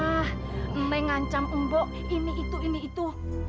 nah mengancam mbok ini itu ini itu